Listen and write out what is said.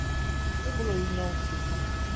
Усё было ізноў ціха.